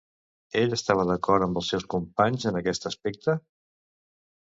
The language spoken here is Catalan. Ell estava d'acord amb els seus companys en aquest aspecte?